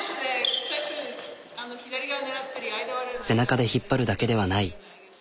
背中で引っ張るだけではない。